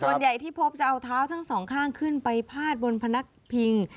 ส่วนใหญ่ที่พบจะเอาเท้าทั้งสองข้างขึ้นไปพาดบนพนักพิง